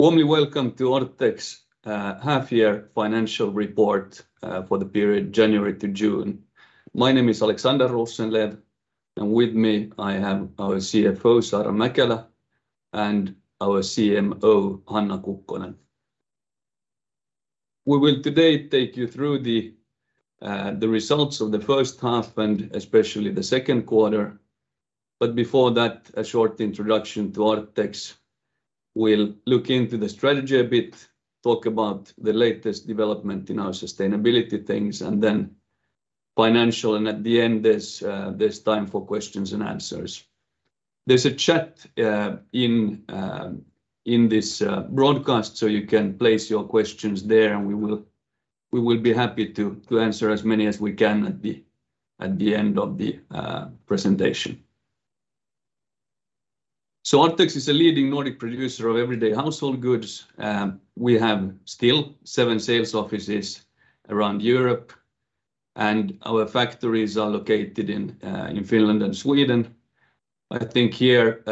Warmly welcome to Orthex half-year financial report for the period January to June. My name is Alexander Rosenlew, and with me I have our CFO, Saara Mäkelä, and our CMO, Hanna Kukkonen. We will today take you through the results of the first half and especially the second quarter. Before that, a short introduction to Orthex. We'll look into the strategy a bit, talk about the latest development in our sustainability things, and then financial, and at the end there's time for questions and answers. There's a chat in this broadcast, so you can place your questions there, and we will be happy to answer as many as we can at the end of the presentation. Orthex is a leading Nordic producer of everyday household goods. We have still seven sales offices around Europe, and our factories are located in Finland and Sweden. I think here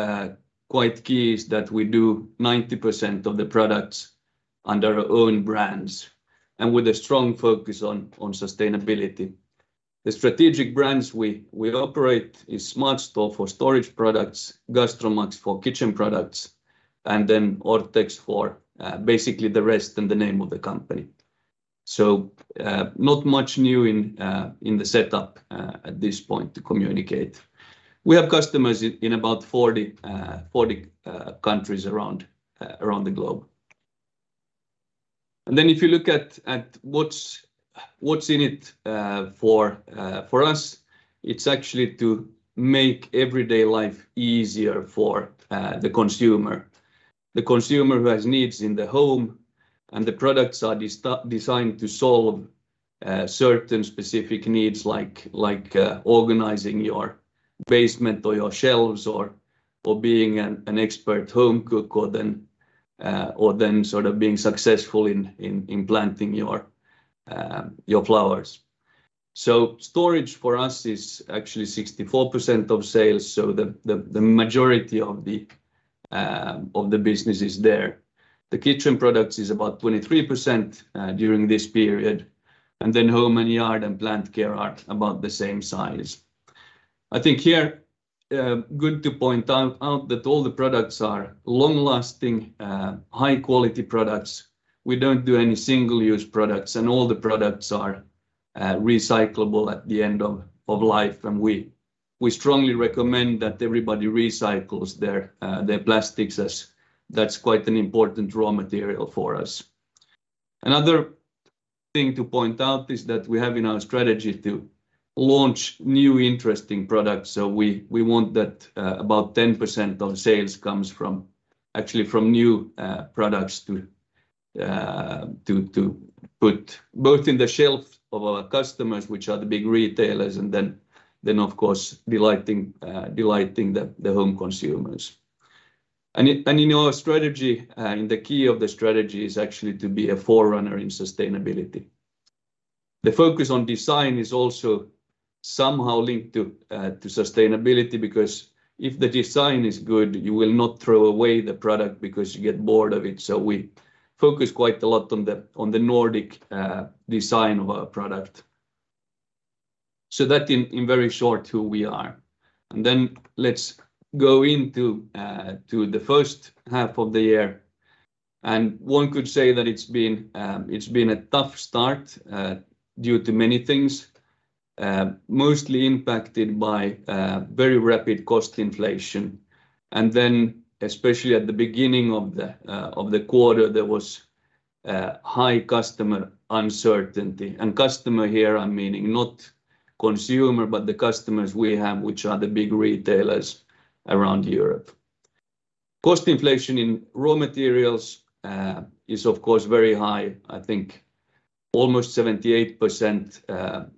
quite key is that we do 90% of the products under our own brands and with a strong focus on sustainability. The strategic brands we operate is GastroMax for kitchen products, and then Orthex for basically the rest and the name of the company. Not much new in the setup at this point to communicate. We have customers in about 40 countries around the globe. If you look at what's in it for us, it's actually to make everyday life easier for the consumer. The consumer who has needs in the home, and the products are designed to solve certain specific needs like organizing your basement or your shelves or being an expert home cook or then sort of being successful in planting your flowers. Storage for us is actually 64% of sales, the majority of the business is there. The kitchen products is about 23% during this period. Home and yard and plant care are about the same size. I think it's good to ooint out that all the products are long-lasting high-quality products. We don't do any single-use products, and all the products are recyclable at the end of life, and we strongly recommend that everybody recycles their plastics as that's quite an important raw material for us. Another thing to point out is that we have in our strategy to launch new interesting products. We want that about 10% of sales comes from actually from new products to put both in the shelf of our customers, which are the big retailers, and then of course delighting the home consumers. In our strategy, and the key of the strategy is actually to be a forerunner in sustainability. The focus on design is also somehow linked to sustainability because if the design is good, you will not throw away the product because you get bored of it. We focus quite a lot on the Nordic design of our product. That in very short who we are. Let's go into the first half of the year. One could say that it's been a tough start due to many things mostly impacted by very rapid cost inflation. Especially at the beginning of the quarter, there was high customer uncertainty. Customer here I'm meaning not consumer, but the customers we have, which are the big retailers around Europe. Cost inflation in raw materials is of course very high. I think almost 78%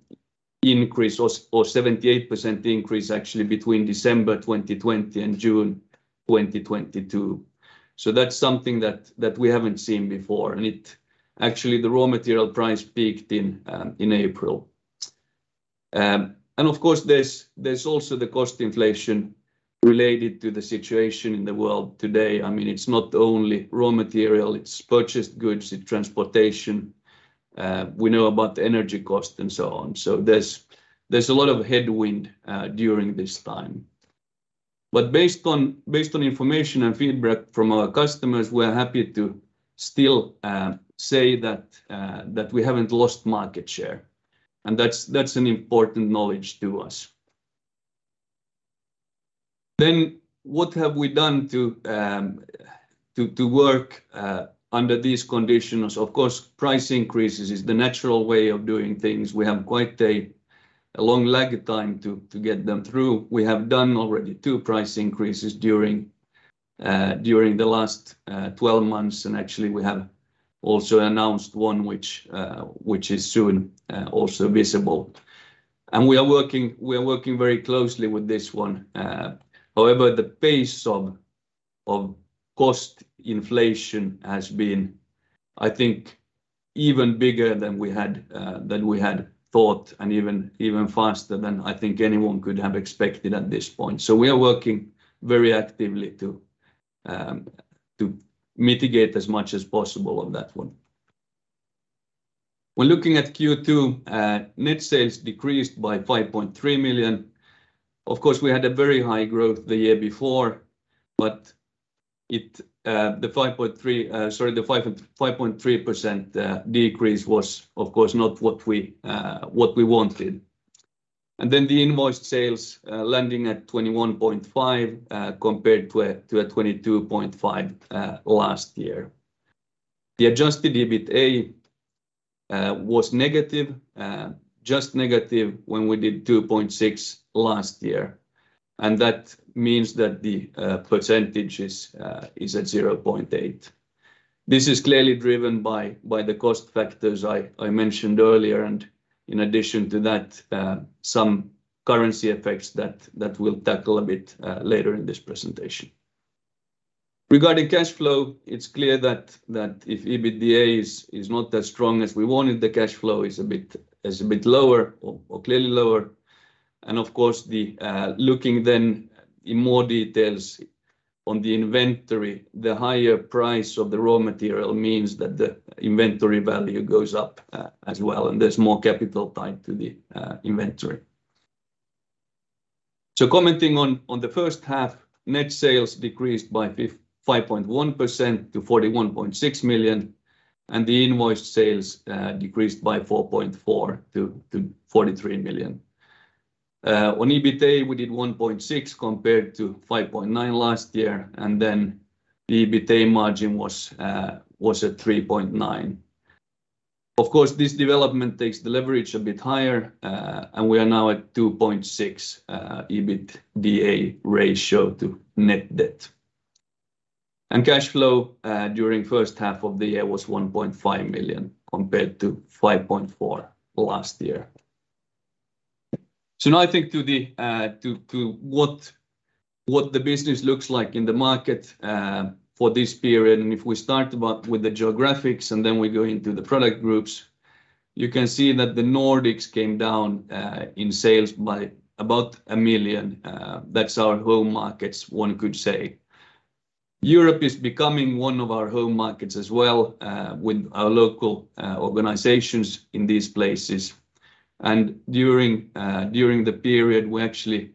increase actually between December 2020 and June 2022. That's something that we haven't seen before. Actually, the raw material price peaked in April. Of course, there's also the cost inflation related to the situation in the world today. I mean, it's not only raw material, it's purchased goods, it's transportation. We know about the energy cost and so on. There's a lot of headwind during this time. Based on information and feedback from our customers, we're happy to still say that we haven't lost market share, and that's an important knowledge to us. What have we done to work under these conditions? Of course, price increases is the natural way of doing things. We have quite a long lag time to get them through. We have done already two price increases during the last 12 months, and actually we have also announced one which is soon also visible. We are working very closely with this one. However, the pace of cost inflation has been, I think, even bigger than we had thought and even faster than I think anyone could have expected at this point. We are working very actively to mitigate as much as possible on that one. When looking at Q2, net sales decreased by 5.3 million. Of course, we had a very high growth the year before, but the 5.3% decrease was of course not what we wanted. The net sales landing at 21.5 compared to a 22.5 last year. The Adjusted EBITA was negative when we did 2.6 last year. That means that the percentage is at 0.8%. This is clearly driven by the cost factors I mentioned earlier. In addition to that, some currency effects that we'll tackle a bit later in this presentation. Regarding cash flow, it's clear that if EBITA is not as strong as we wanted, the cash flow is a bit lower or clearly lower. Of course, looking then in more details on the inventory, the higher price of the raw material means that the inventory value goes up as well, and there's more capital tied to the inventory. Commenting on the first half, net sales decreased by 5.1% to 41.6 million, and the invoice sales decreased by 4.4% to 43 million. On EBITA, we did 1.6 compared to 5.9 last year, and then the EBITA margin was at 3.9%. Of course, this development takes the leverage a bit higher, and we are now at 2.6 EBITDA ratio to net debt. Cash flow during first half of the year was 1.5 million compared to 5.4 million last year. Now I think to what the business looks like in the market for this period. If we start with the geographics and then we go into the product groups, you can see that the Nordics came down in sales by about 1 million. That's our home markets, one could say. Europe is becoming one of our home markets as well, with our local organizations in these places. During the period, we actually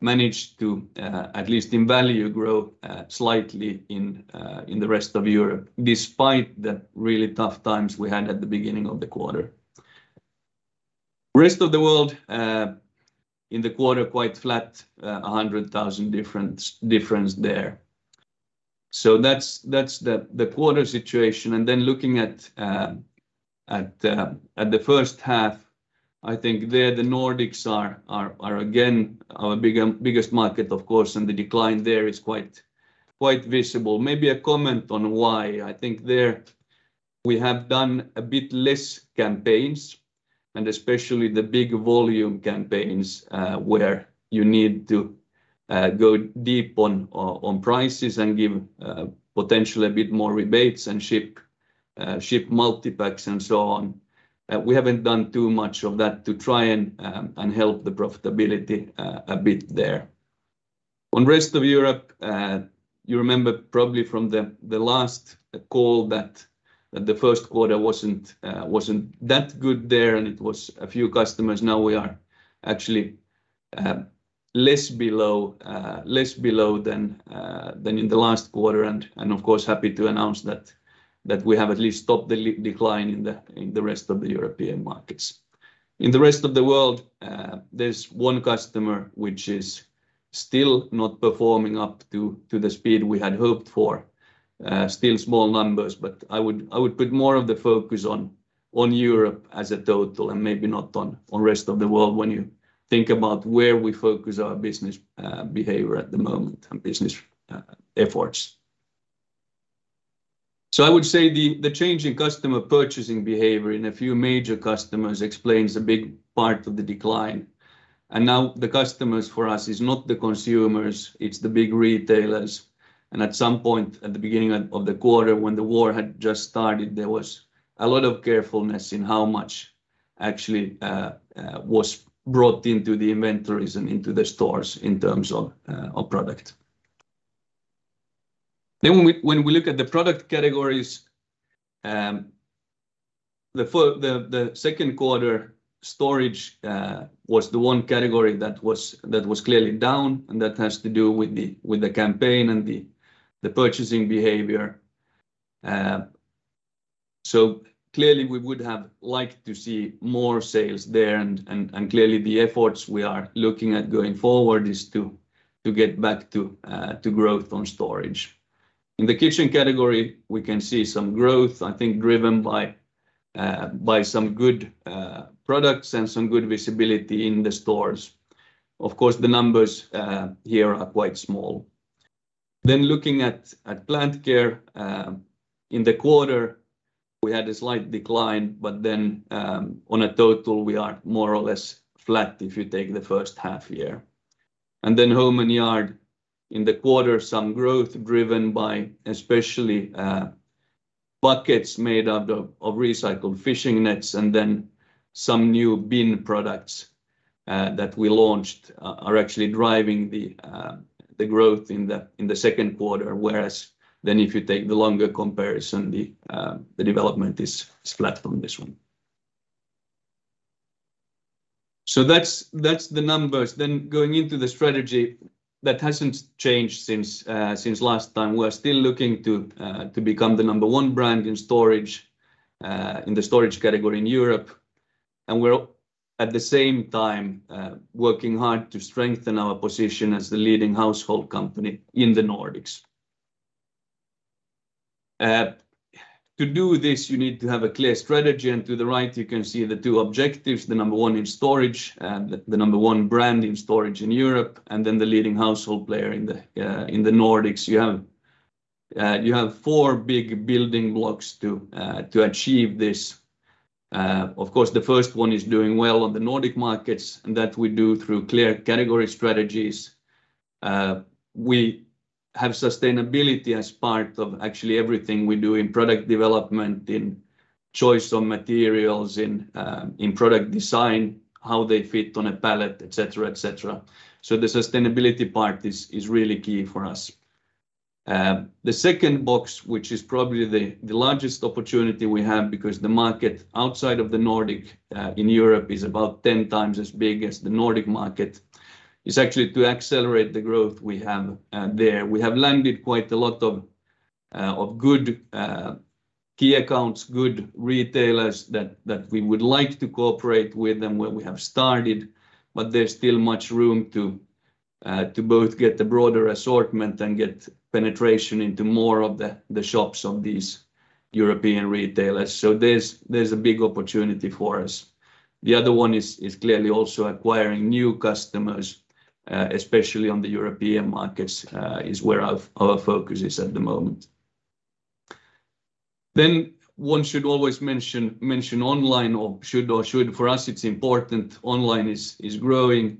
managed to at least in value grow slightly in the rest of Europe, despite the really tough times we had at the beginning of the quarter. Rest of the world in the quarter quite flat, 100,000 difference there. That's the quarter situation. Looking at the first half, I think there the Nordics are again our biggest market, of course, and the decline there is quite visible. Maybe a comment on why. I think there we have done a bit less campaigns, and especially the big volume campaigns, where you need to go deep on prices and give potentially a bit more rebates and ship multipacks and so on. We haven't done too much of that to try and help the profitability a bit there. On rest of Europe, you remember probably from the last call that the first quarter wasn't that good there, and it was a few customers. Now we are actually less below than in the last quarter. Of course, happy to announce that we have at least stopped the decline in the rest of the European markets. In the rest of the world, there's one customer which is still not performing up to the speed we had hoped for. Still small numbers, but I would put more of the focus on Europe as a total and maybe not on rest of the world when you think about where we focus our business behavior at the moment and business efforts. I would say the change in customer purchasing behavior in a few major customers explains a big part of the decline. Now the customers for us is not the consumers, it's the big retailers. At some point at the beginning of the quarter when the war had just started, there was a lot of carefulness in how much actually was brought into the inventories and into the stores in terms of product. When we look at the product categories, the second quarter storage was the one category that was clearly down, and that has to do with the campaign and the purchasing behavior. So clearly we would have liked to see more sales there and clearly the efforts we are looking at going forward is to get back to growth on storage. In the kitchen category, we can see some growth, I think driven by some good products and some good visibility in the stores. Of course, the numbers here are quite small. Looking at plant care in the quarter, we had a slight decline, but on a total, we are more or less flat if you take the first half year. Home and yard in the quarter, some growth driven by especially buckets made out of recycled fishing nets and some new bin products that we launched are actually driving the growth in the second quarter. Whereas if you take the longer comparison, the development is flat on this one. That's the numbers. Going into the strategy that hasn't changed since last time. We're still looking to become the number one brand in storage in the storage category in Europe. We're at the same time working hard to strengthen our position as the leading household company in the Nordics. To do this, you need to have a clear strategy. To the right, you can see the two objectives, the number one in storage, the number one brand in storage in Europe, and then the leading household player in the Nordics. You have four big building blocks to achieve this. Of course, the first one is doing well on the Nordic markets, and that we do through clear category strategies. We have sustainability as part of actually everything we do in product development, in choice of materials, in product design, how they fit on a pallet, et cetera, et cetera. The sustainability part is really key for us. The second box, which is probably the largest opportunity we have because the market outside of the Nordic in Europe is about 10x as big as the Nordic market, is actually to accelerate the growth we have there. We have landed quite a lot of good key accounts, good retailers that we would like to cooperate with and where we have started, but there's still much room to both get the broader assortment and get penetration into more of the shops of these European retailers. There's a big opportunity for us. The other one is clearly also acquiring new customers, especially on the European markets, is where our focus is at the moment. One should always mention online. For us, it's important. Online is growing.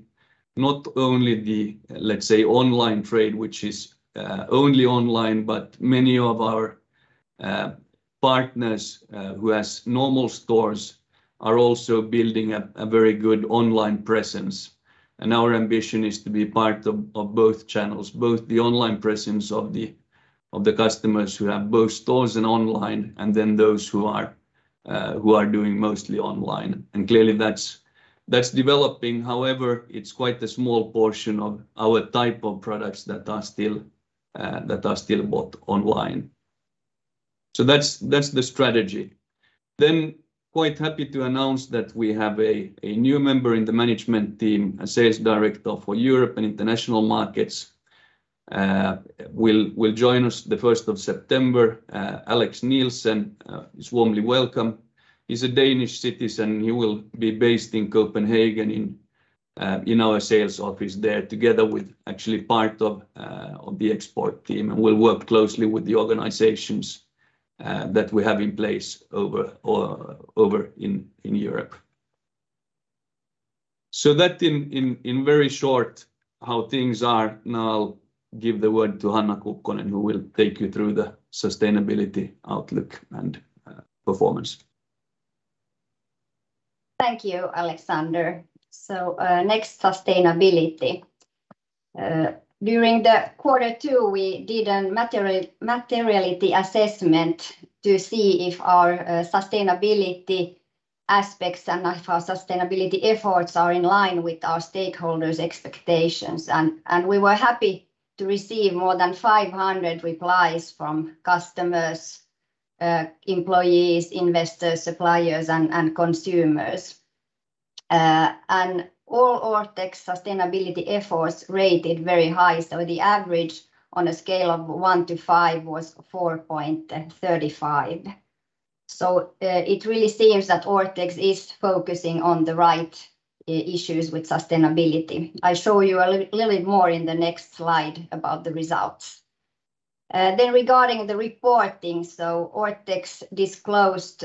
Not only the, let's say, online trade, which is only online, but many of our partners who has normal stores are also building a very good online presence. Our ambition is to be part of both channels, both the online presence of the customers who have both stores and online, and then those who are doing mostly online. Clearly, that's developing. However, it's quite a small portion of our type of products that are still bought online. That's the strategy. Quite happy to announce that we have a new member in the management team, a Sales Director for Europe and International Markets will join us the first of September. Alex Nielsen is warmly welcome. He's a Danish citizen. He will be based in Copenhagen in our sales office there together with actually part of the export team and will work closely with the organizations that we have in place over in Europe. That's, in very short, how things are. Now I'll give the word to Hanna Kukkonen, who will take you through the sustainability outlook and performance. Thank you, Alexander. Next, sustainability. During Q2, we did a materiality assessment to see if our sustainability aspects and if our sustainability efforts are in line with our stakeholders' expectations. We were happy to receive more than 500 replies from customers, employees, investors, suppliers, and consumers. All Orthex sustainability efforts rated very high. The average on a scale of one-five was 4.35. It really seems that Orthex is focusing on the right issues with sustainability. I'll show you a little bit more in the next slide about the results. Regarding the reporting, Orthex disclosed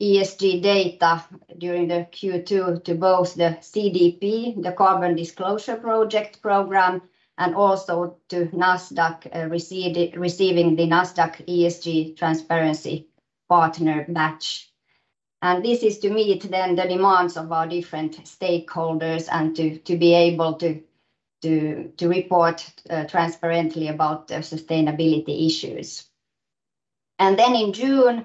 ESG data during Q2 to both the CDP, the Carbon Disclosure Project program, and also to Nasdaq, receiving the Nasdaq ESG Transparency Partner. This is to meet then the demands of our different stakeholders and to be able to report transparently about the sustainability issues. Then in June,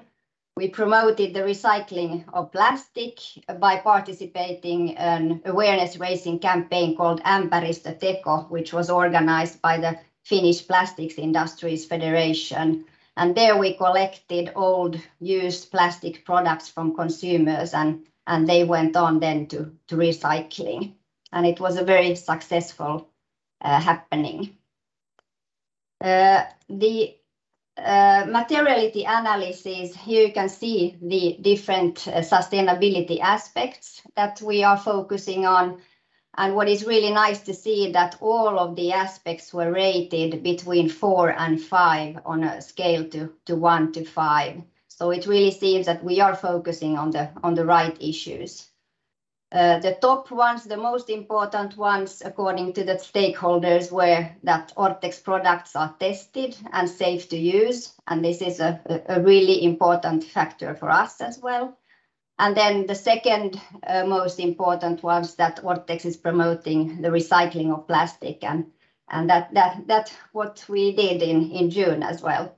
we promoted the recycling of plastic by participating in an awareness-raising campaign called Ämpäristöteko, which was organized by the Finnish Plastics Industries Federation. There we collected old used plastic products from consumers and they went on then to recycling. It was a very successful happening. The materiality analysis, here you can see the different sustainability aspects that we are focusing on. What is really nice to see that all of the aspects were rated between four and five on a scale of one to five. It really seems that we are focusing on the right issues. The top ones, the most important ones according to the stakeholders were that Orthex products are tested and safe to use, and this is a really important factor for us as well. Then the second most important one is that Orthex is promoting the recycling of plastic and that that's what we did in June as well.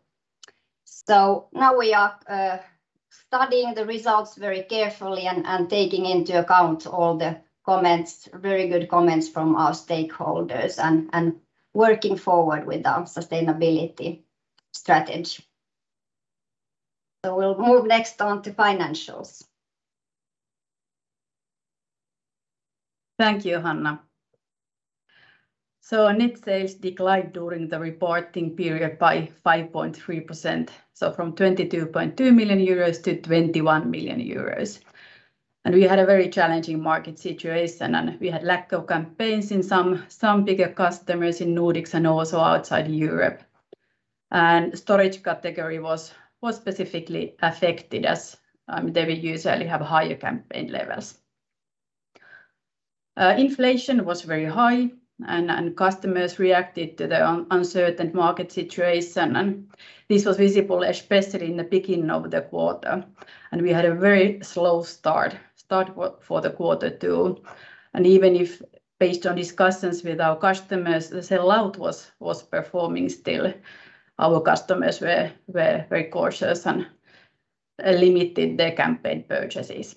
Now we are studying the results very carefully and taking into account all the comments, very good comments from our stakeholders and working forward with our sustainability strategy. We'll move next on to financials. Thank you, Hanna. Net sales declined during the reporting period by 5.3%, from 22.2 million-21 million euros. We had a very challenging market situation, and we had lack of campaigns in some bigger customers in Nordics and also outside Europe. Storage category was specifically affected as they will usually have higher campaign levels. Inflation was very high and customers reacted to the uncertain market situation, and this was visible especially in the beginning of the quarter. We had a very slow start for quarter two. Even if based on discussions with our customers, the sell out was performing still, our customers were very cautious and limited their campaign purchases.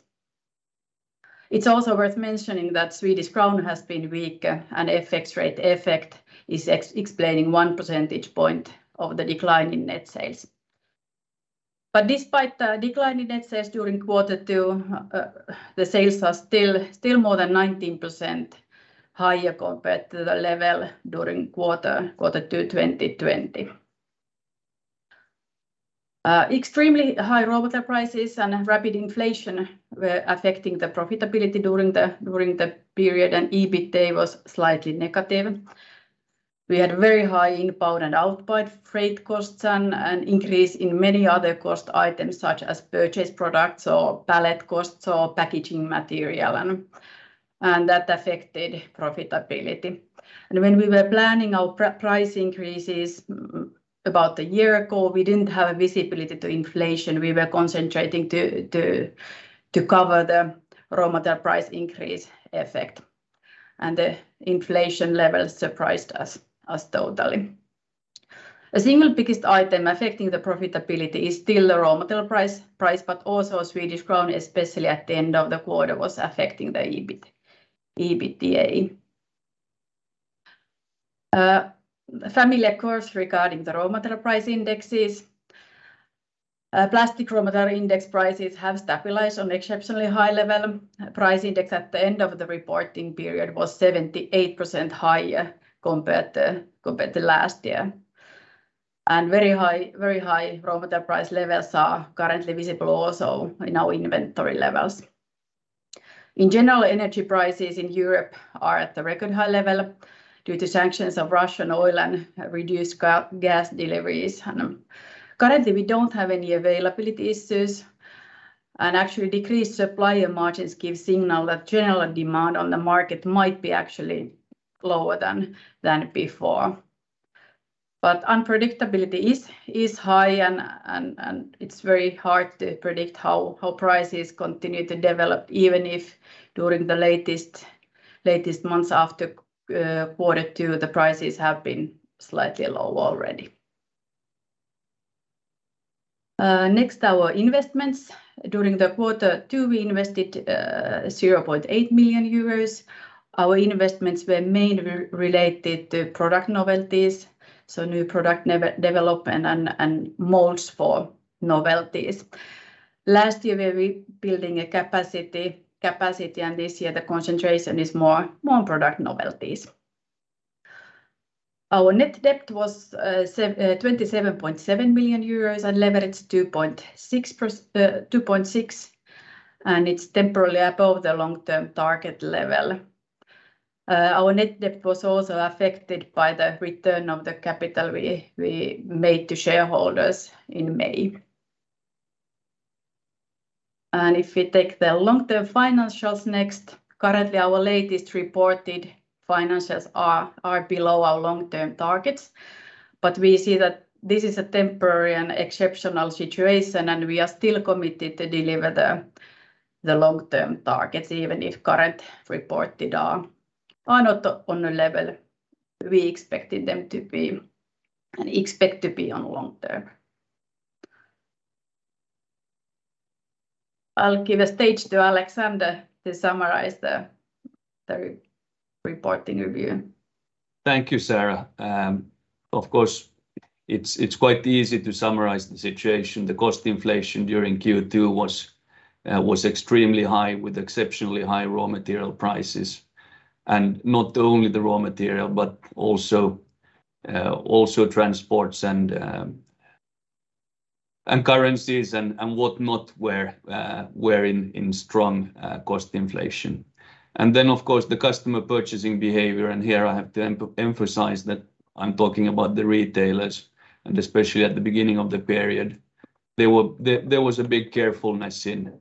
It's also worth mentioning that Swedish crown has been weaker, and FX rate effect is explaining 1 percentage point of the decline in net sales. Despite the decline in net sales during quarter two, the sales are still more than 19% higher compared to the level during quarter two, 2020. Extremely high raw material prices and rapid inflation were affecting the profitability during the period, and EBITDA was slightly negative. We had very high inbound and outbound freight costs and an increase in many other cost items such as purchased products or pallet costs or packaging material, and that affected profitability. When we were planning our price increases about a year ago, we didn't have visibility to inflation. We were concentrating to cover the raw material price increase effect, and the inflation levels surprised us totally. A single biggest item affecting the profitability is still the raw material price, but also Swedish crown, especially at the end of the quarter, was affecting the EBITDA. Familiar course regarding the raw material price indexes. Plastic raw material index prices have stabilized on exceptionally high level. Price index at the end of the reporting period was 78% higher compared to last year. Very high raw material price levels are currently visible also in our inventory levels. In general, energy prices in Europe are at the record high level due to sanctions of Russian oil and reduced gas deliveries. Currently, we don't have any availability issues. Actually decreased supplier margins give signal that general demand on the market might be actually lower than before. Unpredictability is high and it's very hard to predict how prices continue to develop, even if during the latest months after quarter two, the prices have been slightly low already. Next, our investments. During quarter two, we invested 0.8 million euros. Our investments were mainly related to product novelties, so new product development and molds for novelties. Last year, we building a capacity, and this year the concentration is more on product novelties. Our net debt was 27.7 million euros and leverage 2.6, and it's temporarily above the long-term target level. Our net debt was also affected by the return of the capital we made to shareholders in May. If we take the long-term financials next, currently our latest reported financials are below our long-term targets. We see that this is a temporary and exceptional situation, and we are still committed to deliver the long-term targets, even if current reported are not on the level we expected them to be and expect to be on long term. I'll give a stage to Alexander to summarize the reporting review. Thank you, Saara Mäkelä. Of course, it's quite easy to summarize the situation. The cost inflation during Q2 was extremely high with exceptionally high raw material prices, and not only the raw material, but also transports and currencies and what not were in strong cost inflation. Then of course the customer purchasing behavior, and here I have to emphasize that I'm talking about the retailers, and especially at the beginning of the period. There was a big carefulness in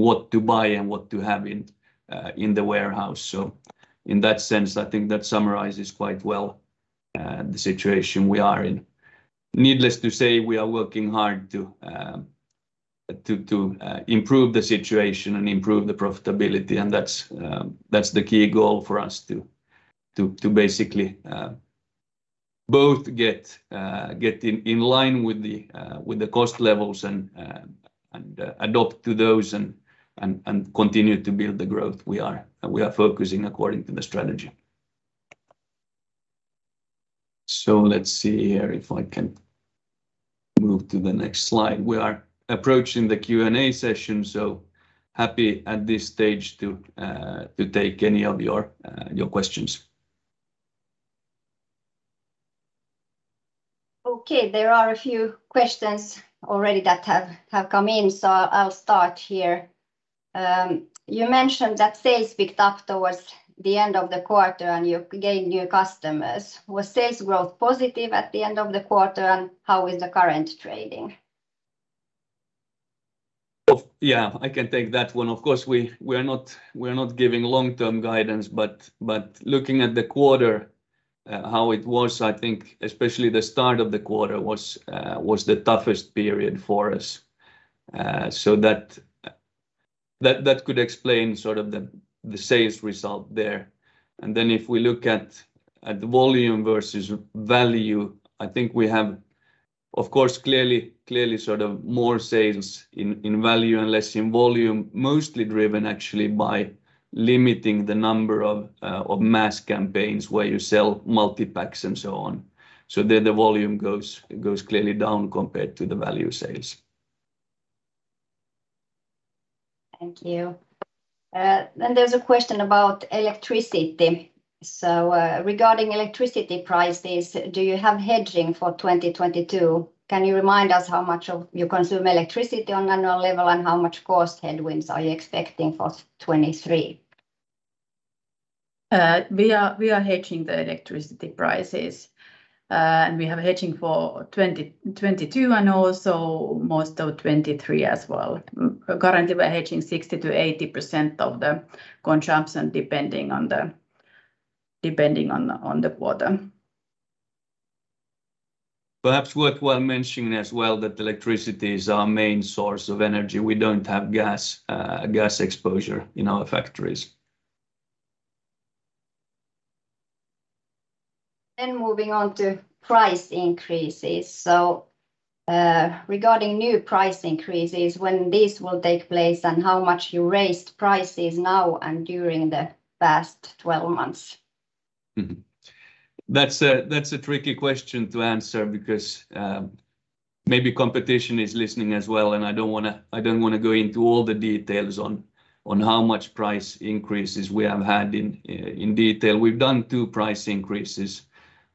what to buy and what to have in the warehouse. In that sense, I think that summarizes quite well the situation we are in. Needless to say, we are working hard to improve the situation and improve the profitability and that's the key goal for us to basically both get in line with the cost levels and adapt to those and continue to build the growth we are focusing according to the strategy. Let's see here if I can move to the next slide. We are approaching the Q&A session, so happy at this stage to take any of your questions. Okay. There are a few questions already that have come in, so I'll start here. You mentioned that sales picked up toward the end of the quarter and you gained new customers. Was sales growth positive at the end of the quarter? How is the current trading? Oh, yeah. I can take that one. Of course, we're not giving long-term guidance, but looking at the quarter, how it was, I think especially the start of the quarter was the toughest period for us. So that could explain sort of the sales result there. Then if we look at the volume versus value, I think we have, of course, clearly sort of more sales in value and less in volume, mostly driven actually by limiting the number of mass campaigns where you sell multi-packs and so on. There the volume goes clearly down compared to the value sales. Thank you. There's a question about electricity. Regarding electricity prices, do you have hedging for 2022? Can you remind us how much you consume electricity on annual level, and how much cost headwinds are you expecting for 2023? We are hedging the electricity prices. We have hedging for 2022 and also most of 2023 as well. Currently, we're hedging 60%-80% of the consumption, depending on the quarter. Perhaps worthwhile mentioning as well that electricity is our main source of energy. We don't have gas exposure in our factories. Moving on to price increases. Regarding new price increases, when these will take place and how much you raised prices now and during the past 12 months? That's a tricky question to answer because maybe competition is listening as well, and I don't wanna go into all the details on how much price increases we have had in detail. We've done two price increases.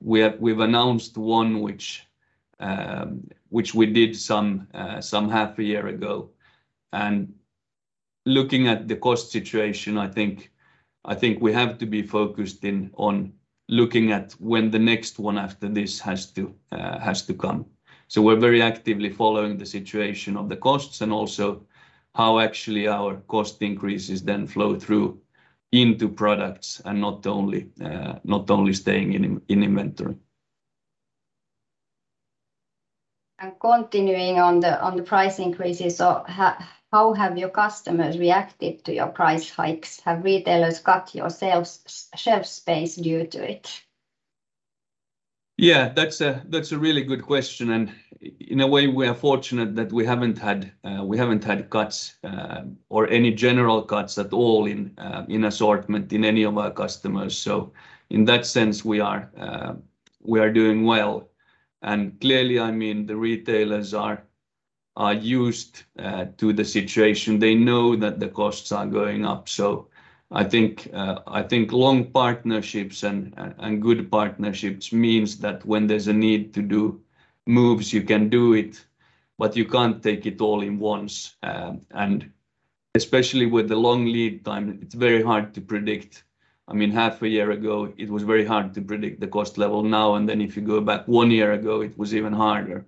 We've announced one which we did some half a year ago. Looking at the cost situation, I think we have to be focused in on looking at when the next one after this has to come. We're very actively following the situation of the costs and also how actually our cost increases then flow through into products and not only staying in inventory. Continuing on the price increases, how have your customers reacted to your price hikes? Have retailers cut your sales shelf space due to it? Yeah. That's a really good question, and in a way, we are fortunate that we haven't had cuts or any general cuts at all in assortment in any of our customers. In that sense, we are doing well. Clearly, I mean, the retailers are used to the situation. They know that the costs are going up. I think long partnerships and good partnerships means that when there's a need to do moves, you can do it, but you can't take it all at once. Especially with the long lead time, it's very hard to predict. I mean, half a year ago it was very hard to predict the cost level now and then if you go back one year ago, it was even harder.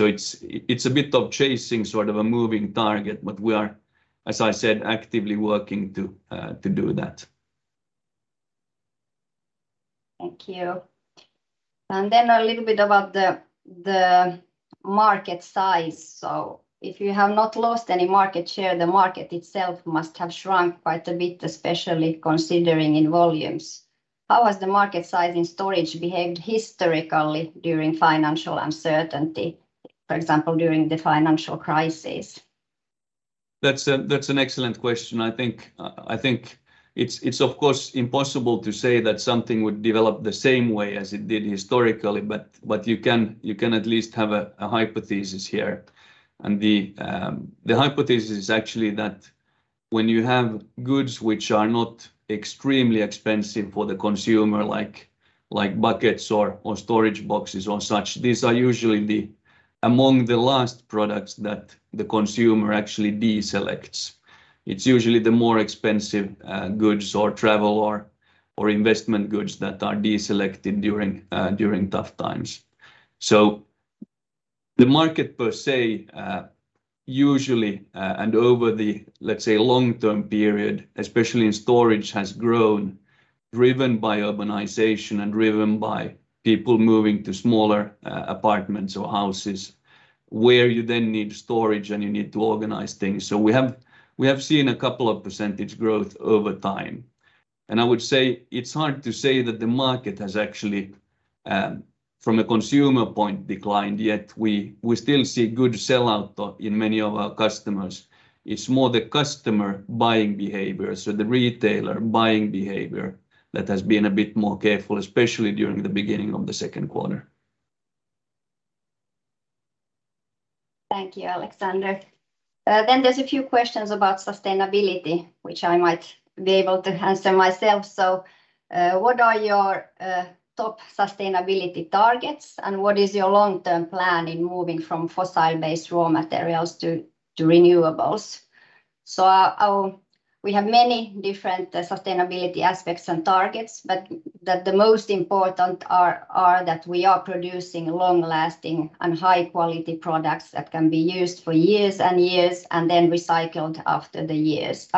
It's a bit of chasing sort of a moving target, but we are, as I said, actively working to do that. Thank you. A little bit about the market size. If you have not lost any market share, the market itself must have shrunk quite a bit, especially considering in volumes. How has the market size in storage behaved historically during financial uncertainty, for example, during the financial crisis? That's an excellent question. I think it's of course impossible to say that something would develop the same way as it did historically, but you can at least have a hypothesis here. The hypothesis is actually that when you have goods which are not extremely expensive for the consumer, like buckets or storage boxes or such, these are usually among the last products that the consumer actually deselects. It's usually the more expensive goods or travel or investment goods that are deselected during tough times. The market per se usually and over the, let's say, long-term period, especially in storage, has grown driven by urbanization and driven by people moving to smaller apartments or houses where you then need storage and you need to organize things. We have seen 2% growth over time. I would say it's hard to say that the market has actually from a consumer point declined yet. We still see good sell-out in many of our customers. It's more the customer buying behavior, so the retailer buying behavior that has been a bit more careful, especially during the beginning of the second quarter. Thank you, Alexander. There's a few questions about sustainability which I might be able to answer myself. What are your top sustainability targets and what is your long-term plan in moving from fossil-based raw materials to renewables? We have many different sustainability aspects and targets, but the most important are that we are producing long-lasting and high-quality products that can be used for years and years and then recycled after the use.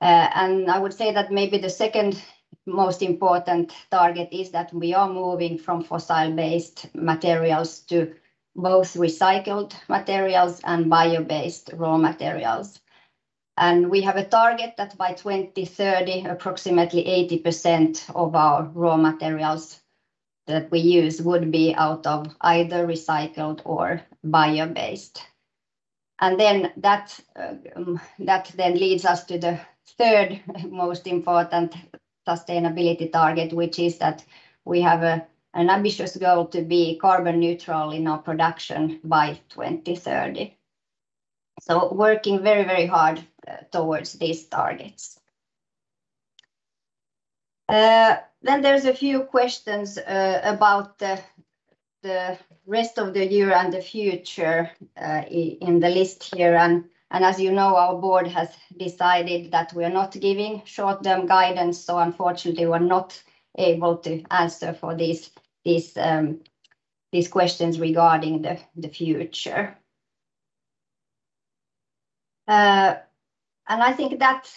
I would say that maybe the second most important target is that we are moving from fossil-based materials to both recycled materials and bio-based raw materials. We have a target that by 2030 approximately 80% of our raw materials that we use would be out of either recycled or bio-based. That then leads us to the third most important sustainability target which is that we have an ambitious goal to be carbon neutral in our production by 2030. Working very hard towards these targets. There's a few questions about the rest of the year and the future in the list here. As you know, our board has decided that we're not giving short-term guidance, so unfortunately we're not able to answer for these questions regarding the future. I think that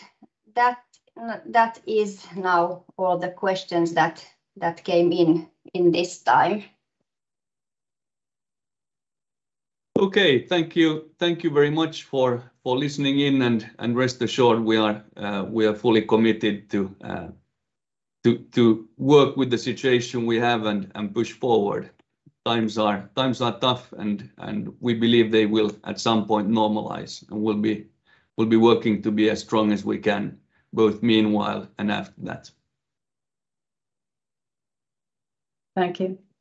is now all the questions that came in this time. Okay. Thank you. Thank you very much for listening in. Rest assured we are fully committed to work with the situation we have and push forward. Times are tough and we believe they will at some point normalize, and we'll be working to be as strong as we can both meanwhile and after that. Thank you.